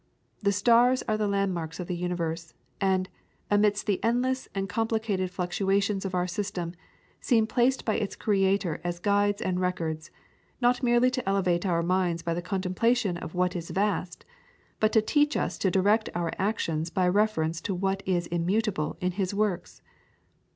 The stars are the landmarks of the universe; and, amidst the endless and complicated fluctuations of our system, seem placed by its Creator as guides and records, not merely to elevate our minds by the contemplation of what is vast, but to teach us to direct our actions by reference to what is immutable in His works.